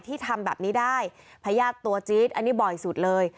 ทำแบบนี้ได้พญาติตัวจี๊ดอันนี้บ่อยสุดเลย